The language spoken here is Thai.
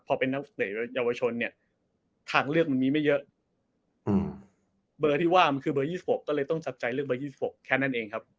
พอเป็นนักเตะเยาวชนเนี่ยทางเลือกมันมีไม่เยอะเบอร์ที่ว่ามันคือเบอร์๒๖ก็เลยต้องจับใจเลือกเบอร์๒๖แค่นั้นเองครับ